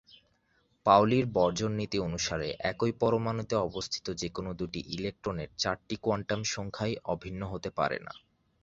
পাউলি’র বর্জন নীতি অনুসারে, একই পরমাণুতে অবস্থিত যে কোন দুটি ইলেকট্রনের চারটি কোয়ান্টাম সংখ্যাই অভিন্ন হতে পারে না।